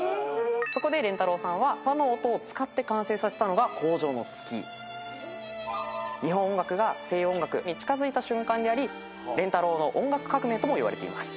そこで廉太郎さんはファの音を使って完成させたのが『荒城の月』日本音楽が西洋音楽に近づいた瞬間であり廉太郎の音楽革命ともいわれています。